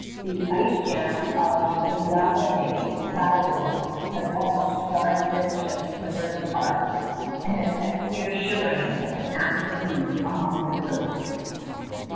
The ice jam of Ungava Bay, Labrador, has almost torn his ships' timbers apart and has set fear shivering like an aspen leaf among the crew.